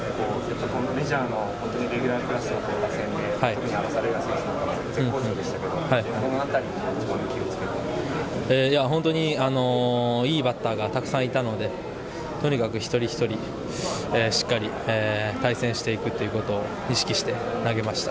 メジャーの本当にレギュラークラスとの、特に選手も絶好調だったと思いますけど、その辺り、どこに気を本当にいいバッターがたくさんいたので、とにかく一人一人しっかり対戦していくということを意識して投げました。